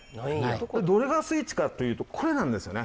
どれがスイッチかというとこれなんですよね。